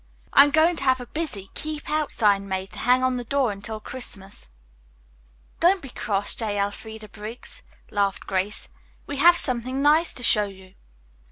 I'm going to have a 'Busy, Keep Out' sign made to hang on the door until Christmas." "Don't be cross, J. Elfreda Briggs," laughed Grace. "We have something nice to show you."